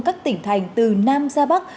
các tỉnh thành từ nam ra bắc